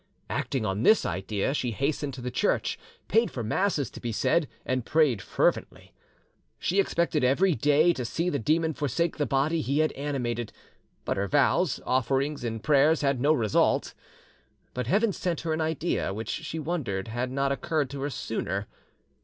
Acting on this idea, she hastened to the church, paid for masses to be said, and prayed fervently. She expected every day to see the demon forsake the body he had animated, but her vows, offerings, and prayers had no result. But Heaven sent her an idea which she wondered had not occurred to her sooner.